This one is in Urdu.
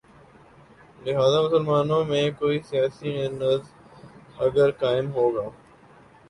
لہذا مسلمانوں میں کوئی سیاسی نظم اگر قائم ہو گا۔